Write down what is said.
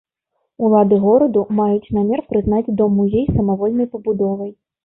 Улады гораду маюць намер прызнаць дом-музей самавольнай пабудовай.